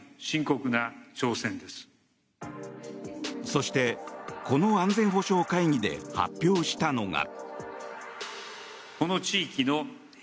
そして、この安全保障会議で発表したのが。